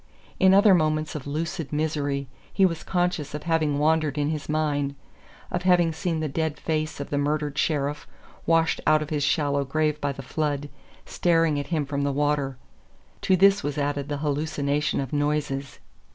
In other moments of lucid misery he was conscious of having wandered in his mind; of having seen the dead face of the murdered sheriff, washed out of his shallow grave by the flood, staring at him from the water; to this was added the hallucination of noises.